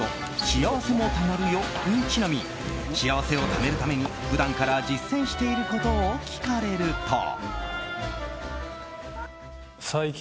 「シアワセも貯まるよ」にちなみ幸せをためるために普段から実践していることを聞かれると。